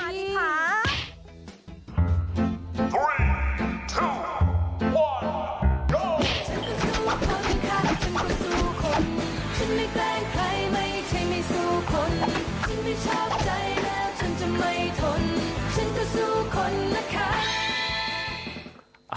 ฉันไม่ชอบใจแล้วฉันจะไม่ทนฉันจะสู้คนนะคะ